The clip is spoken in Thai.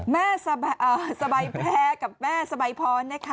แม่สบายแพลกับแม่สบายพร